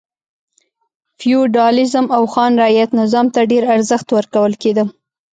فیوډالېزم او خان رعیت نظام ته ډېر ارزښت ورکول کېده.